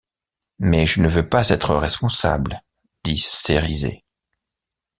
Mais je ne veux pas être responsable, dit Cérizet...